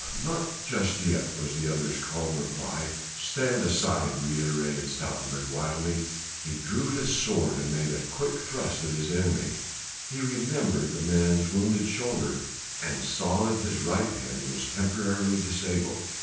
not just yet!" was the other's calm reply. "Stand aside!" reiterated Stoutenburg wildly. He drew his sword and made a quick thrust at his enemy; he remembered the man's wounded shoulder and saw that his right hand was temporarily disabled.